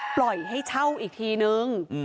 ปล่อยให้เช่าอีกทีนึง